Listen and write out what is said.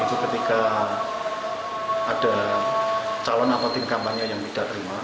itu ketika ada calon atau tim kampanye yang tidak terima